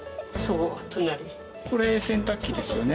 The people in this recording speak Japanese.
これ、洗濯機ですよね。